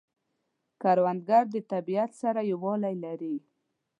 کروندګر د طبیعت سره یووالی لري